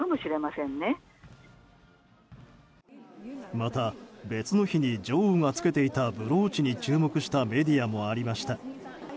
また、別の日に女王が付けていたブローチに注目したメディアもありました。